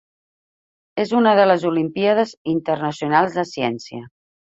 És una de les Olimpíades Internacionals de Ciència.